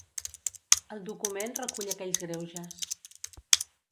El document recull aquells greuges.